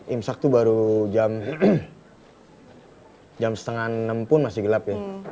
imsak itu baru jam setengah enam pun masih gelap ya